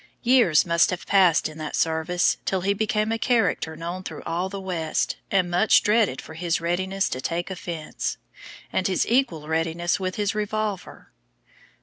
Years must have passed in that service, till he became a character known through all the West, and much dreaded for his readiness to take offence, and his equal readiness with his revolver.